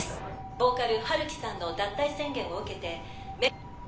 ボーカル陽樹さんの脱退宣言を受けて。